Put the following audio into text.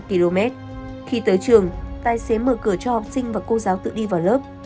khi tới trường tài xế mở cửa cho học sinh và cô giáo tự đi vào lớp